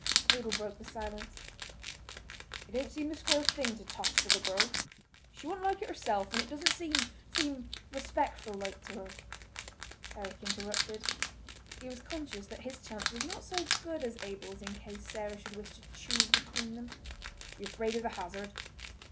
Abel broke the silence: "It don't seem the square thing to toss for the girl! She wouldn't like it herself, and it doesn't seem—seem respectful like to her—" Eric interrupted. He was conscious that his chance was not so good as Abel's in case Sarah should wish to choose between them: "Are ye afraid of the hazard?"